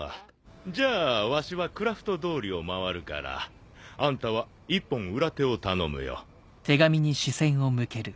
じゃあわしはクラフト通りを回るからあんたは一本裏手を頼むよ。